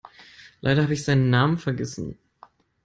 Leider habe ich seinen Namen vergessen.